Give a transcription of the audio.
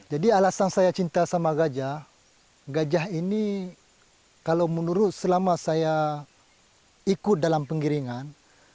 jadi alasan saya cinta sama gajah gajah ini kalau menurut selama saya ikut dalam pengiringan